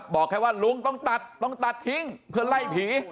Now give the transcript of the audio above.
บอกแค่ว่าลุงต้องตัดต้องตัดทิ้งเพื่อไล่ผี